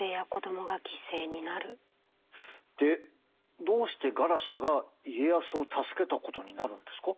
でどうしてガラシャが家康を助けたことになるんですか？